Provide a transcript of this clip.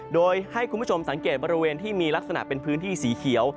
โดยให้คุณผู้ชมสังเกตบริเวณที่มีลักษณะเป็นพื้นที่สีเขียว